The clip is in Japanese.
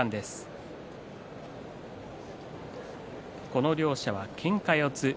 この両者は、けんか四つ。